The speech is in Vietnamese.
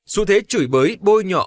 su thế chửi bới bôi nhọ